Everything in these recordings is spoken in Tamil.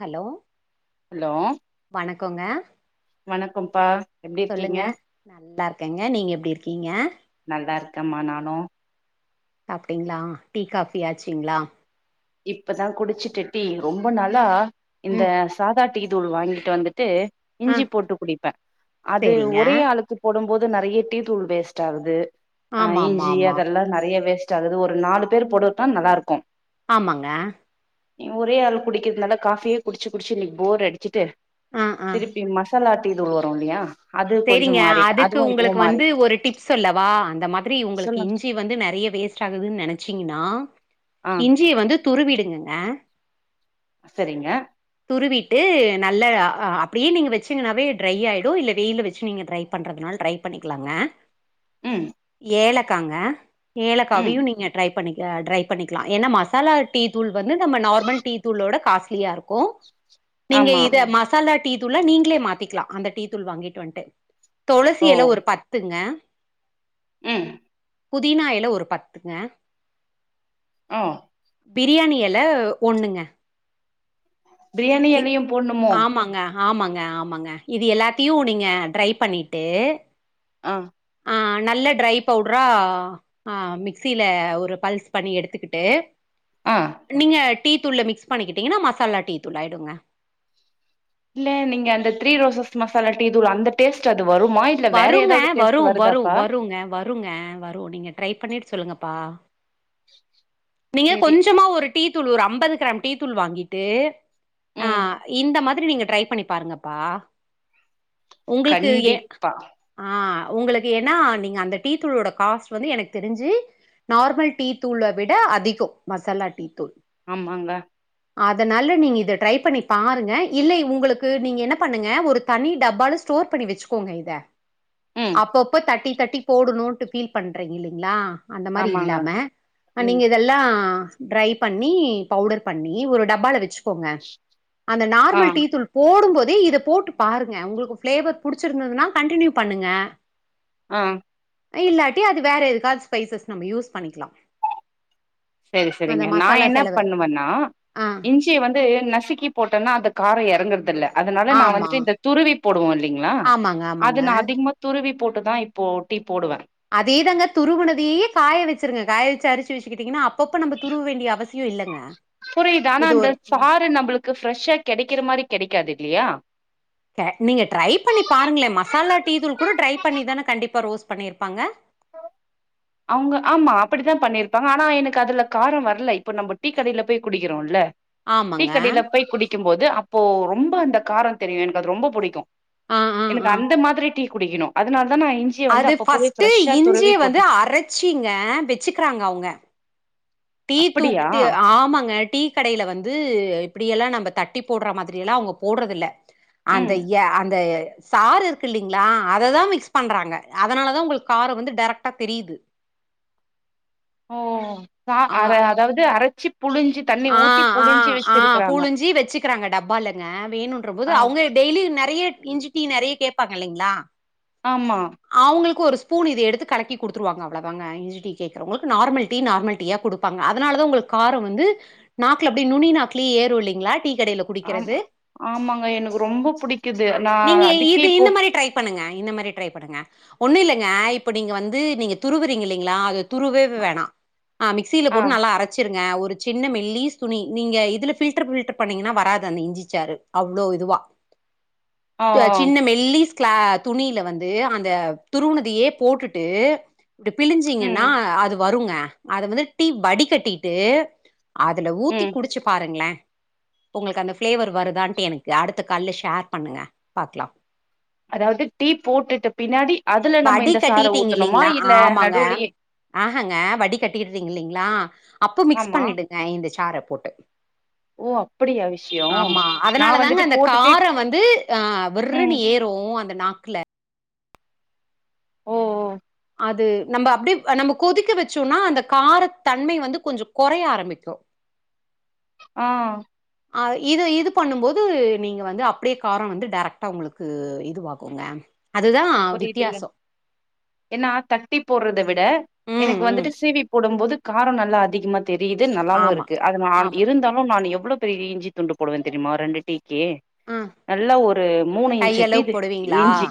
ஹலோ ஹலோ வணக்கோங்க வணக்கம்ப்பா எப்டி சொல்லுங்க இருக்கீங்க நல்லா இருக்கேங்க நீங்க எப்டி இருக்கீங்க நல்லா இருக்கேமா நானு சாப்டீங்ளா டீ காபி ஆச்சுங்ளா இப்பதா குடிச்சுட்டு டீ ரொம்ப நாளா இந்த ம் சாதா டீ தூள் வாங்கிட்டு வந்துட்டு ஆ இஞ்சி போட்டு குடிப்பே அது சேரிங்க ஒரே ஆளுக்கு போடும்போது து நெறய டீ தூள் வேஸ்ட் ஆகுது ஆ ஆமா ஆமா இஞ்சி ஆமா அதெல்லா நெறய வேஸ் செலது ஒரு நாலு பேர் போடுட்டா நல்லா இருக்கு ஆமாங்க நீ ஒரே ஆள் குடிக்கிறதுனால காஃபியே குடிச்சு குடிச்சு இன்னைக்கு போர் அடிச்சிட்டு ஆ ஆ திருப்பி மசாலா டீ தூள் வரு இல்லயா சேரிங்க அதுக்கு உங்களுக்கு வந்து ஒரு டிப்ஸ் சொல்லவா அந்த மாதிரி உங்களுக்கு சொல்லுங்க இஞ்சி வந்து நெறய வேஸ்ட் ஆகுதுன்னு நெனச்சீங்கனா ஆ இஞ்சிய வந்து துருவிடுங்கங்க சரிங்க துருவிட்டு நல்ல அப்டியே நீங்க வச்சீங்கன்னாவே ட்ரை ஆயிடு இல்ல வெயில வச்சு நீங்க ட்ரை பண்றதுனாலு ட்ரை பண்ணிக்கலாங்க ம் ஏலக் இருக்காங்க ம் ஏலக்காவியு நீங்க ட்ரை பண்ணிக் ட்ரை பண்ணிக்லா ஏன்னா மசாலா டீ தூள் வந்து நம்ம நார்மல் டீ தூளோட காஸ்ட்லியா இருக்கு கோ நீங்க ஆமா இத மசாலா டீ தூள நீங்களே மாத்திக்கலா அந்த டீ தூள் வாங்கிட்டு வந்துட்டு துளசி ஓ எல ஒரு பத்துங்க ம் புதினா இல ஒரு பத்துங்க ஓ பிரியாணி எல ஒண்ணுங்க பிரியாணி இ எலையு போடணுமோ ஆமாங்க ஆமாங்க ஆமாங்க இது எல்லாத்தையு நீங்க ட்ரை பண்ணிட்டு ஆ ஆ நல்ல ட்ரை பவுடரா ஆ மிக்சியில ஒரு பல்ஸ் பண்ணி எடுத்துக்கிட்டு ஆ நீங்க டீ தூள்ள மிக்ஸ் பண்ணிக்கிட்டிங்கனா மசாலா டீ துலாயிடுங்க இல்ல நீங்க அந்த த்ரீ ரோசஸ் மசாலா டீ தூள் அந்த டேஸ்ட் அது வருமா இல்ல வேற வருங்க ஏதாவது வரு டேஸ்ட் வரு வருதாப்பா வருங்க வருங்க வரு நீங்க ட்ரை பண்ணிட்டு சொல்லுங்கப்பா நீங்க சேரி கொஞ்சமா ஒரு டீ தூள் ஒரு ஐம்பது கிராம் டீ தூள் வாங்கிட்டு ஆ ம் இந்த மதி ரி நீங்க ட்ரை பண்ணி பாருங்கப்பா உங்களுக்கு ஏ கண்டிப்பா ஆ உங்களுக்கு ஏன்னா நீங்க அந்த டீ தூளோட காஸ்ட் வந்து எனக்கு தெரிஞ்சு நார்மல் டீ தூள விட அதிகோ மசாலா டீ தூள் ஆமாங்க அதனால நீங்கள் இத ட்ரை பண்ணி பாருங்க இல்ல உங்களுக்கு நீங்க என்ன பண்ணுங்க ஒரு தனி டப்பால ஸ்டோர் பண்ணி வச்சுக்கோங்க இத ம் அப்பப்ப தட்டி தட்டி டீ போடணும்ட்டு ஃபீல் பண்றீங்க இல்லிங்ளா அந்த மாரி ஆமாங்க இல்லாம அப்ப ம் நீங்க இதெல்லா ட்ரை பண்ணி பவுடர் பண்ணி ஒரு டப்பால வச்சுக்கோங்க அந்த ஆ நார்மல் டீ தூள் போடும்போது இதை போட்டு பாருங்க உங்களுக்கு பிளேவர் புடிச்சிருந்ததுனா கண்டினியூ பண்ணுங்க ஆஹ் இல்லாட்டி அது வேற எதுக்காவது ஸ்பைசஸ் நம்ம யூஸ் பண்ணிக்கலாம் சரி சரிங்க நான் என்ன பண்ணுவேன்னா ஆ இஞ்சி வந்து நசுக்கி போட்டேன்னா அந்த கார ஏறங் எறங்கறதல்ல அதனால நான் ஆமா வந்துட்டு இந்த துருவி போடுவோம் இல்லைங்களா ஆமாங்க அது ஆமாங்க நான் அதிகமா துருவி போட்டுதான் இப்போ டீப் அதேதாங்க துருவனதையே காய வச்சிருங்க காய வச்சு அரிச்சு வச்சுக்கிட்டீங்கன்னா அப்பப்ப நம்ம துருவ வேண்டிய அவசியம் இல்லங்க புரியுது ஆனா இது அந்த ஒரு ம், சாறு நம்மளுக்கு ஃப்ரெஷ்ஷா கிடைக்கிற மாதிரி கிடைக்காது இல்லையா நீங்க ட்ரை பண்ணி பாருங்களேன் மசாலா டீதூள் கூட ட்ரை பண்ணிதானே கண்டிப்பா ரோஸ்ட் பண்ணிருப்பாங்க அவங்க ஆமா அப்படித்தான் பண்ணிருப்பாங்க ஆனா எனக்கு அதுல காரம் வரல இப்ப நம்ம டீ கடையில போய் குடிக்கிறோம்ல டீ ஆமாங்க கடையில போய் குடிக்கும் போது அப்போ ரொம்ப அந்த காரம் தெரியும் எனக்கு அது ரொம்ப புிடிக்கும் ஆ ஆ எனக்கு ஆ அந்த மாதிரி டீ குடிக்கணும் அதனால தான் இஞ்சிய வந்து அப்ப போவே பிர்ரெஷா இஞ்சி வந்து அரைச்சிங்க வச்சுக்கிறாங்க அவங்க டீ அப்படியா தூக்கிட்டு ஆமாங்க டீ கடையில வந்து அப்படியெல்லாம் நம்ம தட்டி போடுற மாதிரியெல்லாம் அவங்க போடுறதில்ல அந்த ம் அந்த சார் இருக்கு இல்லலைங்களா அததான் மிக்ஸ் பண்றாங்க அதனால தான் உங்களுக்கு கார வந்து டரக்டா தெரியுது ஓ அதாவது அரைச்சி புழிஞ்சி தண்ணி ஊத்தி ஆஹ் புழிஞ்சி ஆஹ் ஆஹ் வச்சிருக்கறாங்க புழிஞ்சி வச்சுக்கிறாங்க டப்பா இல்லங்க வேணும்ன்ற போது ஆ அவங்க டெய்லி நிறைய இஞ்சிட்டி நிறைய கேட்பாங்க இல்லலைங்களா ஆமா அவங்களுக்கு ஒரு ஸ்பூன் இத எடுத்து கலக்கி குடுத்துருவாங்க அவ்ளோ தாங்க இஞ்சி டீ கேக்குறவங்களுக்கு நார்மல் டீ நார்மல் டீ யா குடுப்பாங்க அதனால தா உங்களுக்கு காரம் வந்து நாக்குல அப்டி நுனி நாக்குல ஏறும் இல்லிங்களா டீ கடையில் குடிக்கிறது ஆமா ஆமாங்க எனக்கு ரொம்ப புடிக்குது நா நீங்க அதுக்கே இது இப்போ இந்த மாரி ட்ரை பண்ணுங்க இந்த மாரி ட்ரை பண் நிங்க ஒண்ணும் இல்லங்க இப்ப நீங்க வந்து நீங்க துருவுறீங்க இல்லங்களா அது துருவே வேணா ஆ மிக்சில ஆ போட்டு நல்லா அரைச்சிருங்க ஒ சின்ன மெல்லிஸ் துணி நீங்க இதுல பண்ணீங்கன்னா வராது அந்த இ்ஞ்சிச்சாரு அவ்ளோ இதுவா ஆ சின்ன மெல்லிஸ் கிளா துணியில வந்து அந்த துருவுனதே போட்டுட்டு பிழிஞ்சிங்கன்னா ம் அது வருங்க அது வந்து டீ வடி கட்டிட்டு அதுல ஊற்றி ம் குடிச்சு பாருங்களேன் உங்களுக்கு அந்த பிளேவர் வருதான்ட்டு எனக்கு அடுத்த கால்ல ஷேர் பண்ணுங்க பாக்கலாம் அதாவது டீ போட்டுட்டு பின்னாடி அதுல நம்ம வடி இந்த சார கட்டிட்டீங்க ஊத்தணுமா இல்லிங்களா இல்ல ஆமாங்க நடுவுலயே ஆஹாங்க வடி கட்டிக்கட்டீங்க இல்லிங்களா அப்போ மிக்ஸ் ஆமா பண்ணிடுங்க இந்த சார போட்டு ஓ அப்படியா விஷயோ ஆமா நா அதனாலதாங்க வந்துட்டு அந்த போட்டுட்டே காரம் வந்து ஆ ம் விற்றுனு ஏறும் அந்த நாக்குல ஓ ஓ அது நம்ம அப்டியே நம்ம கொதிக்க வச்சோம்னா அந்த கார தன்மை வந்து கொஞ்சம் குறைய ஆரம்பிக்கும் ஆ அ இது இது பண்ணும் போது நீங்க வந்து அப்டியே காரம் வந்து டைரக்டா உங்களுக்கு இதுவாக்குங்க அது தா புரியுதுங்க வித்தியாசம் ஏன்னா தட்டி போடுறத விட் தா ம் எனக்கு ம் வந்துட்டு சிவி போடும்போது காரம் நல்லா அதிகமா தெரியுது நல்லாவும் ஆமா இருக்கு அது நா ஆமா இருந்தாலும் நா எவ் எவ்ளோ பெரிய இஞ்சி துண்டு போடுவேன் தெரியுமா ரெண்டு டீ ஏ ஆ நல்லா ஒரு மூணு இஞ்சு டி இது இஞ்சி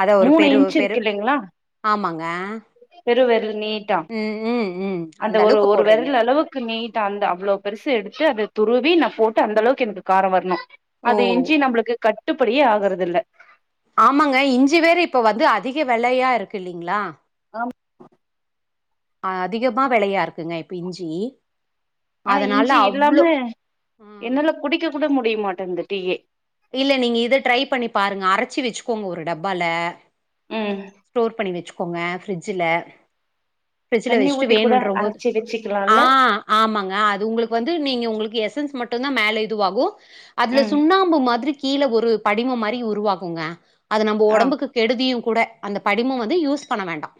அதான் ஒரு மூணு பெரு இன்ச்சு பெரு இருக்கு ஆமாங்க பெரு விரல் நீட்டா ம் ம் ம் அந்த ஒரு அளவுக்கு ஒரு போடுறீங்க விரல் அளவுக்கு நீட்டாந்த அவ்ளோ பெருசு எடுத் அத துருவி நா போட்டு அந்த அளவுக்கு எனக்கு காரம் வரணும் ஓ அது இஞ்சி நம்மளுக்கு கட் கட்டுப்படியே ஆகறது இல்ல ஆமாங்க இஞ்சி வேற இப்ப வந்து அதிக வெலையா இருக்கு இல்லலைங்களா ஆமா அ அதிகமா வெளையா இருக்குங்க இப்ப இஞ்சி ஆனா அதனால இஞ்சி அவ்ளோ இல்லாம ம் என்னால குடிக்க கூட முடியமாட் இருந்துட்டயே இல்ல நீங்க இத ட்ரை பண்ணி பாருங்க அரைச்சி வச்சுக்கோங்க ஒரு டப்பால ம் ஸ்டோர் பண்ணி வெச்சுக் கோங்க ஃப்ரிட்ஜில ஃபிர்ஜ்ல தண்ணி வச்சுட்டு ஊத்தி கூட வேணும்ன்ற போது அரச்சி ஆ வச்சுக்கலால்ல ஆமாங்க அது உங்களுக்கு வந்து நீங்க உங்களுக்கு எசன்ஸ் மட்டு தா மேல இதுவாகு அதுல ம் சுண்ணாம்பு மாதிரி கீழே ஒரு படிம மாரி உருவாக்குங்க அது நம்ம ஆ உடம்புக்கு கெடுதியு கூட அந்த படிமு வந்து யூஸ் பண்ண வேண்டா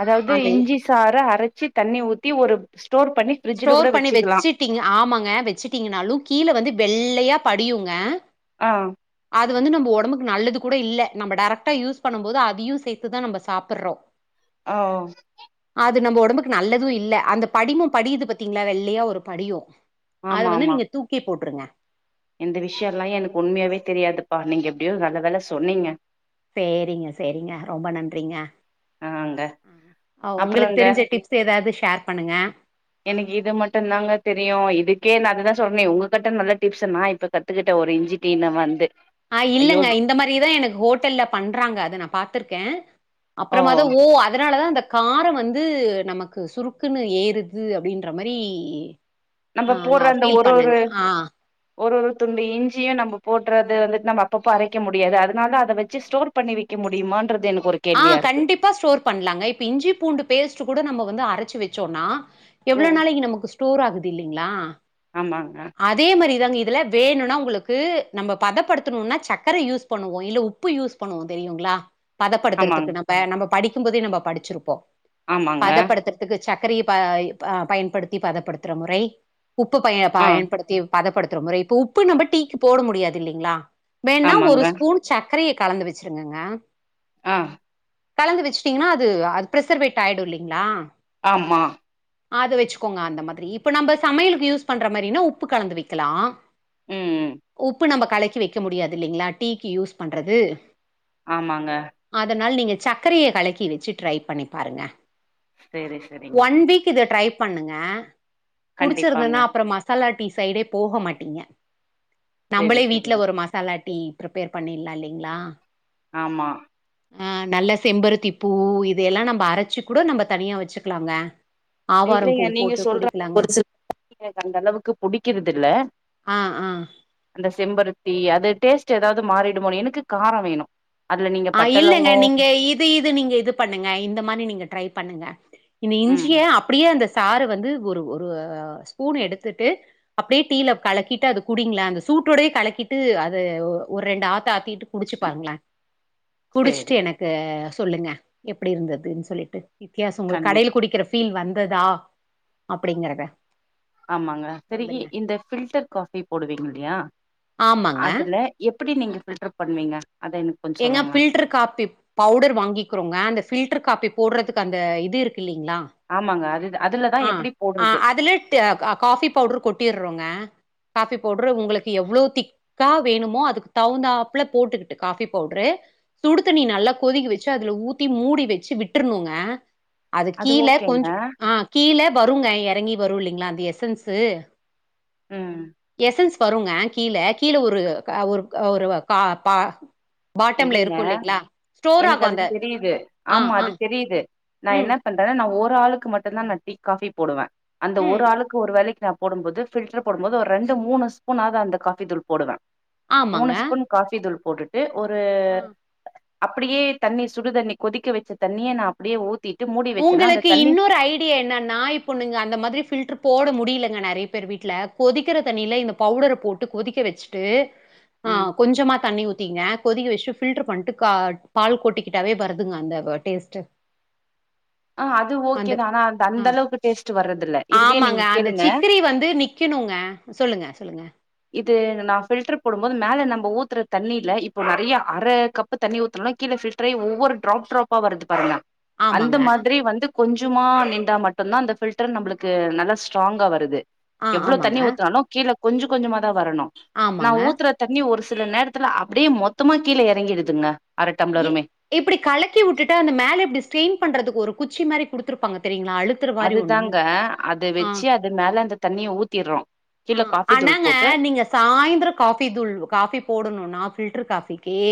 அதாவது அந்த இஞ்சி சாறு அரைச்சு தண்ணி ஊத்தி ஒரு ஸ்டோர் பண்ணி ஃப்ரிட்ஜ்ல கூட ஸ்டோர் பண்ணி வச்சுக்கலா வச்சிட்டீங்க ஆமாங்க வச்சட்டீங்கன்னாலு கீழ வந்து வெள் வெள்ளையா படியுங்க ஆ அது வந்து நம்ம உடம்புக்கு நல்லது கூட இல்ல நம்ம டேரெக்டா யூஸ் பண்ணு போது அதையு சேர்த்துதா நம்ம சாப்பிடுறோ ஆ ஓ அது நம்ம உடம்புக்கு நல்லதும் இல்ல அந்த படிமம் படியது பத்தீங்களா வெள்ளையா ஒரு படியு அத ஆமா வந்து ஆமா நீங்க தூக்கி போட்டுருங்க இந்த விஷயோல்லா எனக்கு உண்மையாவே தெரியாதுப்பா நீங்க எப்டியோ நல்ல வேல சொன்னீங்க சேரிங்க சேரிங்க ரொம்ப நன்றிங்க ஆங்க அ உங்களுக்கு அப்புறங்க தெரிஞ்ச டிப்ஸ் ஏதாவது ஷேர் பண்ணுங்க. எனக்கு இது மட்டு தாங்க தெரியு இதுக்கே நா அதுதா சொன்னே உங்ககிட்ட நல்ல டிப்ஸ் நா இப்ப கத்துக்கிட்ட ஒரு இஞ்சி டீ ல வந்து ஆ ஐயோ இல்லங்க இந்த மாதிரிதா எனக்கு ஹோட்டல்ல பண்றாங்க அத நா பாத்துருக்கே அப்புறம தா ஓ அதனாலதா அந்த காரோ வந்து நமக்கு சுருக்குன்னு ஏறுது அப்டின்ற மாரி நம்ம ஆ போட்ற நா அந்த ஃபீல் ஒரு ஒரு பண்ணங்க ஆ ஒரு ஒரு துண்டு இஞ்சியு நம்ம போடுறது வந்துட்டு நம்ம அப்பப்போ அரைக்க முடியாது அதனால அத வச்சு ஸ்டோர் பண்ணி வைக்க முடியுமன்றது எனக்கு ஒரு ஆ கேள்வியா இருக்கு கண்டிப்பா ஸ்டோர் பண்ணலாங்க இப்ப இஞ்சி பூண்டு பேஸ்ட் கூட நம்ம வந்து அரச் ச்சு வெச்சோனா எவ்ளோ ம் நாளைக்கு நமக்கு ஸ்டோர் ஆகுது இல்லிங்ளா ஆமாங்க இதுல வேணுனா உங்களுக்கு நம்ம பதப்படுத்தணும்னா சக்கரை யூஸ் பண்ணுவோ இல்ல உப்பு யூஸ் பண்ணுவோ தெரியுங்களா பதப்படுத் ஆமாங் இருக்குரத்துக்கு நம்ம நம்ம படிக்கும்போதே நம்ம படிச்சிருப்போ ஆமாங்க பதப்படுத்துறதுக்கு சக் சரிப இப் அ பயன்படுத்தி பதப்படுத்துற முறை உப்பு பய ப ஆ பயன்படுத்தி பதப்படுத் துற முறை இப்ப உப்பு நம்ம டீக்கு போட முடியாது இல்லிங்ளா வேணா ஒரு ஆமாங்க ஸ்பூன் சக் சக்கரையை கலந்து வச்சிருங்கங்க அஹ் கலந்து வச்சுட்டீங்கன்னா அது அது பிரிசர்வேட் ஆயிடு இல்லிங்களா ஆமா அது வச்சுக்கோங்க அந்த மாதிரி இப்ப நம்ம சமையலுக்கு யூஸ் பண்ற மாரினா உப்பு கலந்து வைக்கலா ம் உப்பு நம்ம கலைக்கி வைக்க முடியாது இல்லிங்களா டீக்கு யூஸ் பண்றது ஆமாங்க அதனால நீங்க சர்க்கரைய கலக்கி வச்சு ட்ரை பண்ணி பாருங்க செரி செரிங்க ஒன் வீக் இது ட்ரைப் பண்ணுங்க கண்டிப்பாங்க புடிச்சிருதுன்னா அப்புற மசாலா டீஸ் சைடே போக மாட்டீங்க செரி நம்மளே வீட்டு்ல செரிங்க ஒரு மசாலாட் டீ ப்ரிப்பேர் பண்ணிடலா இல்லிங்களா ஆமா அ நல்ல செம்பருத்தி பூ இத எல்லா நம்ம அரைச்சு கூட நம்ம தனியா வச்சுக்கலாங்க ஆவாரம் பூ இல்லிங்க நீங்க போட்டு சொல்ற குடிக்கலாங்க ஒரு சில அந்த அளவுக்கு புடிக்கரதுஇல்ல ஆ ஆ அந்த செம்பருத்தி அது இது டேஸ்ட் ஏதாவது மாறிடுமோ எனக்கு காரோ வேணு அதுல நீங்க ஆ பட்ட இல்லங்க லவங்கோ நீங்க இது இது நீங்க இது பண்ணுங்க இந்த மாரி நீங்க ட்ரை பண்ணுங்க இனி ம் இஞ்சிய அப்டியே அந்த சாறு வந்து ஒரு ஒரு ஸ்பூன் எடுத்துட்டு அப்டியே டீல கலக்கிட்டு அது குடிங்ளே அந்த சூட்டோடே கலக்கிட்டு அது ஒரு ரெண்டு ஆத்து ஆத்திட்டு குடிச்சு பாருங்ளே குடுச்ட்டு சேரி எனக்கு சொல்லுங்க எப்டி இருந்ததுன் சொல்லிட்டு வித்யாசொ உங்ளுக் கண்டி கடைல குடிக்கிற ஃபீல் வந்ததா அப்பிடிங்கறத ஆமாங்க சரிகி இந்த ஃபில்டர் காஃபி போடுவீங்கில்லயா ஆமாங்க அதுல எப் புடி நீங்க ஃபில்டர் பண்வீங்க ஏங்க ஃபில்டர் காப்பி பவுடர் வாங்கிக்குறோங்க அந்த ஃபில் டர் காப்பி போட்றதுக்கு அந்த இது இருக் கில்லிங்ளா ஆமாங்க அது அதுலதா ஆ எப்டி ஆ போடுறது அதுல ட காஃபி பவுடர் கொட்டிர்றோங்க காஃபி பவுட்ரு உங்களுக்கு எவ்ளோ திக்கா வேணுமோ அதுக்கு தகுந்தாப்ல போட்டுக்கிட்டு காஃபி பவுட்ரு சுடு தண்ணி நல்லா கொதிக்க வச்சு அதுல ஊத்தி மூடி வச்சி விட்றனுங்க அது கீழ கொஞ்ச ஆ கீழ வருங்க எறங்கி வருல்லி ங்ளா அந்த எஸன்ஸு ம் எஸன்ஸ் வருங்க கீழ கீழ ஒரு க ஒரு க ஒரு வ கா பா பாட்டம்ல இல்லெங்க இருக்கு இல்லைங்களா ஸ்டோர் எனக்கு ஆகு அது அந்த தெரியிது ஆ ஆமா ஆ அது தெரியிது நா ம் என்ன பண்றனா நா ஓ ஒரு ஆளுக்கு மட்டுந்தா நா டீ காஃபி போடுவே அந்த ஒரு ம் ஆளுக்கு ஒரு வேலைக்கா போடும்போது ஃபில்ட்ர போடும்போது ஒரு ரெண்டு மூணு ஸ்பூனாவது அந்த காஃபி தூள் போடுவே மூணு ஆமாங்க ஸ்பூன் காஃபி தூள் போட்டுட்டு ஒரு ஆ. அப்புடியே தண்ணி சுடுதண்ணி கொதிக்க வச்ச தண்ணிய நா அப்டியே ஊத் உங்களுக்கு இன்னொரு ஐடியா என்னன்னா இப்போ நீங்க அந்த மாதிரி ஃபில்டர் போட முடியலங்க நெறைய பேர் வீட்ல கொதிக்கிற தண்ணில இந்த பவுடர போட்டு கொதிக்க வச்சுட்டு ஆ ம் கொஞ்சமா தண்ணி ஊத்திங்க கொதிக்க வச்சு ஃபில்டர் பண்ணிட்டு கா பால் கொட்டிக்கிட்டாவே வருதுங்க அந்த டேஸ்ட் ஆ அது ஓகே வந்து தா ஆனா அந்த ஆ அந்த அளவுக்கு டேஸ்ட் வர்றதில்ல இதுலயே நீங்க ஆமாங்க அந்த கேளுங்க சிக்கிரி வந்து நிக்கணுங்க சொல்லுங்க சொல்லுங்க இது நா ஃபில்டர் போடு போது மேல நம்ம ஊத்துற தண்ணில இப்ப நறைய அர கப்பு தண்ணி ஊத்தணுனா கீழே ஃபில்டரே ஒவ்வொரு ட்ராப் ட்ராப்பா வருது பாருங்க அந்த ஆமாங்க. மாதிரி வந்து கொஞ்சமா நின்டா மட்டும்தா அந்த ஃபில்டர் நம்மளுக்கு நல்லா ஸ்ட்ராங்கா வருது ஆ எவ்ளோ ஆமாங்க, தண்ணி ஊத்துனாலு கீழ கொஞ்சோ கொஞ்சமாதா வரணு நா ஆமாங்க. ஊத்துற தண்ணி ஒரு ஸ் சில நேரத்துல அப்டியே மொத்தமா கீழ இறங்கிடுதுங்க இப் இப்டி கலக்கி விட்டுட்டா அந்த மேல எப்டி ஸ்ட்யின் பண்றதுக்கு ஒரு குச் ச்சி மாதிரி குடுத்துருப்பாங்க தெரியுங் அது தாங்க அத ஆ வெச்சு அது மேல அந்த தண்ணிய ஊத்திடுறோ ஆ ஆனாங்க நீங்க சாய்ந்தரோ காஃபி தூள் காபி போடணு நா ஃபில்டர் காஃபி ஏ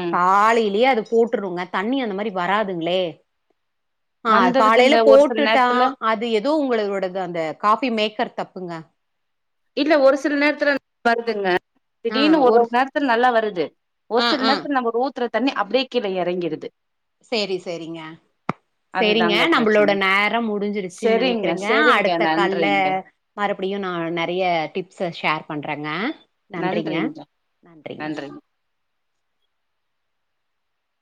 ம் காலிலையே அது போட்டுருங்க தண்ணி அந்த மாதிரி வராதுங்களே ஆ காலையில வந்துருதுங்க ஒரு சில போட்டுட்டா நேரத்துல அது ஏதோ உங்களோடது அந்த காஃபி மேக்கர் தப்பு இருப்புங்க இல்ல ஒரு சில நேரத்துல வருதுங்க திடீர்னு ஒரு நேரத்துல நல்லா வருது ஒரு ஆ சில ஆ நேரத்துல நம்ம ர்ஊ த்துர தண்ணி அப்டிக்கீழ இறங்கிறுது செரி செரிங்க செரிங்க அதுதாங்க நம்மளோட பிரச்சன நேரோ முடிஞ்சிருச்சுன்னு செரிங்க நினைக்கிறேங்க செரிங்க அடுத்த கால்ல நன்றிங்க மறுபடியு நா நெ நிறைய டிப்ஸ்ஷஸன் ஷேர் பண்றேங்க நன்றிங்க நன்றிங்க